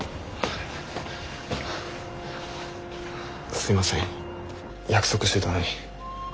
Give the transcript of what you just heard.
すいません約束してたのに。